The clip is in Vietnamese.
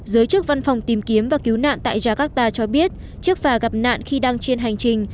giới chức văn phòng tìm kiếm và cứu nạn tại jakarta cho biết chiếc phà gặp nạn khi đang trên hành trình